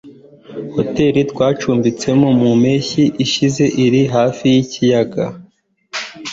Hoteri twacumbitse mu mpeshyi ishize iri hafi yikiyaga.